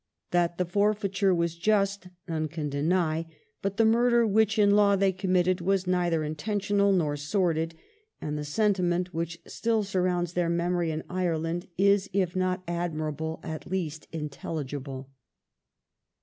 That the forfeiture was j ust none can deny. But the murder which in law they committed was neither intentional nor sordid, and the sentiment which still surrounds their memory in Ireland is, if not admirable, at least intelligible.